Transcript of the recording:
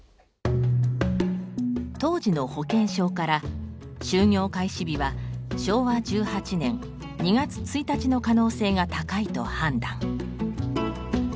当時の保険証から就業開始日は昭和１８年２月１日の可能性が高いと判断。